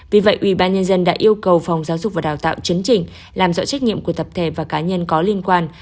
vì vậy ủy ban nhân dân đã yêu cầu phòng giáo dục và đào tạo chấn trình làm rõ trách nhiệm của tập thể và cá nhân có liên quan